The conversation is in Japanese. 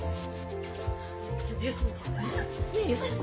ちょっと芳美ちゃんねえ。